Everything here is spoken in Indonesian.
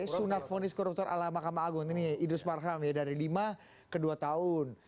sunat fonis koruptor ala mahkamah agung ini idrus marham ya dari lima ke dua tahun